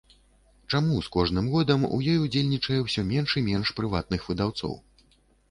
Чаму з кожным годам у ёй удзельнічае ўсё менш і менш прыватных выдаўцоў?